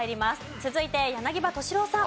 続いて柳葉敏郎さん。